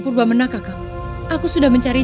postur mereka yang ke hati